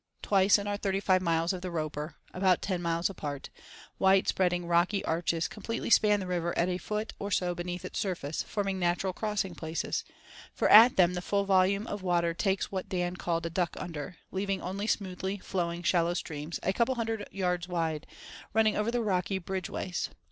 Twice in our thirty five miles of the Roper—about ten miles apart—wide spreading rocky arches completely span the river a foot or so beneath its surface, forming natural crossing places; for at them the full volume of water takes what Dan called a "duck under," leaving only smoothly flowing shallow streams, a couple of hundred yards wide, running over the rocky bridgeways.